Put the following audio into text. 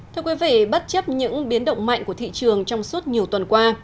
thưa quý vị bất chấp những biến động mạnh của thị trường trong suốt nhiều tuần qua